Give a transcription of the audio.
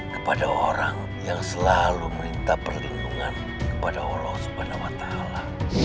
kepada orang yang selalu minta perlindungan kepada allah subhanahu wa ta'ala